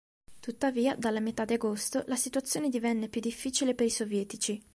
Tuttavia dalla metà di agosto la situazione divenne più difficile per i sovietici.